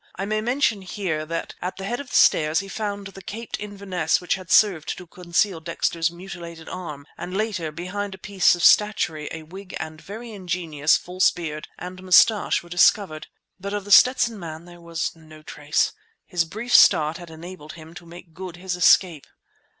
I may mention here that at the head of the stairs he found the caped Inverness which had served to conceal Dexter's mutilated arm, and later, behind a piece of statuary, a wig and a very ingenious false beard and moustache were discovered. But of The Stetson Man there was no trace. His brief start had enabled him to make good his escape.